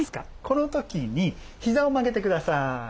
この時にひざを曲げてください。